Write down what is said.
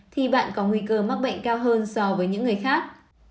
thì bạn có nguy cơ mắc bệnh cao hơn so với những người khác